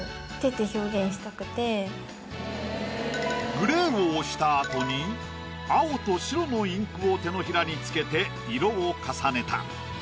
グレーを押した後に青と白のインクを手のひらに付けて色を重ねた。